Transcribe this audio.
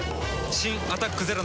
新「アタックＺＥＲＯ」